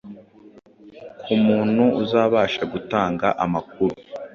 ku muntu uzabasha gutanga amakuru